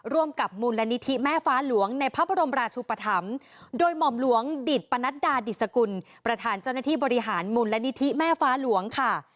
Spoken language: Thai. ร่วมกับมูลนิธิแม่ฟ้าหลวงในพระบรมราชุปธรรมโดยหม่อมหลวงดิตปนัดดาดิสกุลประธานเจ้าหน้าที่บริหารมูลนิธิแม่ฟ้าหลวงค่ะ